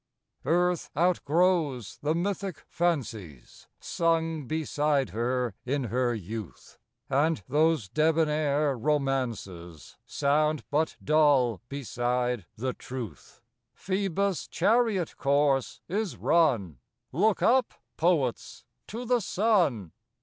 ARTH outgrows the mythic fancies Sung beside her in her youth ; And those debonair romances Sound but dull beside the truth. Phoebus' chariot course is run ! Look up, poets, to the sun